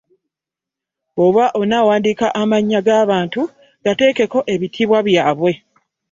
Bw'oba onaawandiika amannya g'abantu gateekeko ebitiibwa byabwe.